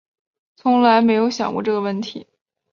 从来没有想过这个问题